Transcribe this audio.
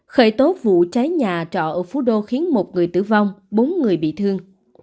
khởi tố vụ cháy nhà trọ ở phú đô khiến một người tử vong bốn người bị thương